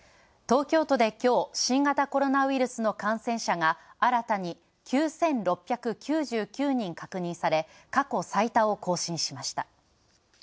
東京都で今日、新型コロナウイルスの感染者が新たに９６９９人確認され、過去最多を更新しました。